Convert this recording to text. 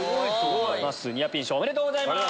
ニアピン賞おめでとうございます。